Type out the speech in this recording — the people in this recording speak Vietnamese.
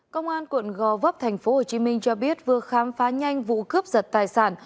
công an quận gò vấp tp hcm cho biết vừa khám phá nhanh vụ cướp giật tài sản